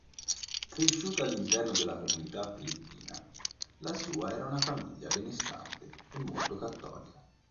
Cresciuta all'interno della comunità filippina, la sua era una famiglia benestante e molto cattolica.